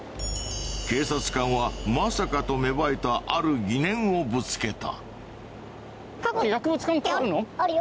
警察官はまさかと芽生えたある疑念をぶつけた。